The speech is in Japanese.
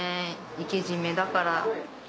活け締めだから。